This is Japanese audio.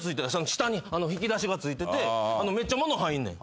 下に引き出しが付いててめっちゃ物入んねん。